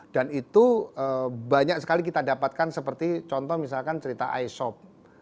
dan itu banyak sekali kita dapatkan seperti contoh misalkan cerita aishob